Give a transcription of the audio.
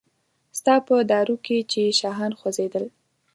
ستا په دارو کې چې شاهان خوځیدل